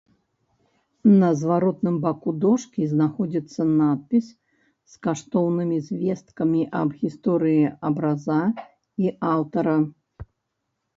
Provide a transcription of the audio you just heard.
На зваротным баку дошкі знаходзіцца надпіс з каштоўнымі звесткамі аб гісторыі абраза і аўтара.